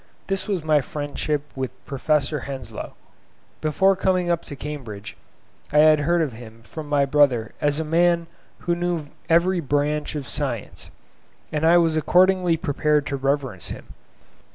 This was my friendship with Professor Henslow. Before coming up to Cambridge, I had heard of him from my brother as a man who knew every branch of science, and I was accordingly prepared to reverence him.